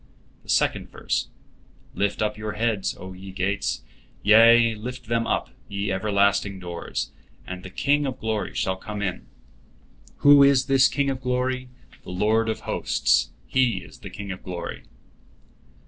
The second verse: "Lift up your heads, O ye gates; yea, lift them up, ye everlasting doors, and the King of glory shall come in. Who is this King of glory? The Lord of hosts, He is the King of glory."